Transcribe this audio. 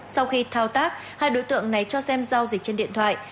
sau khi thao tác hai đối tượng này cho xem giao dịch trên điện thoại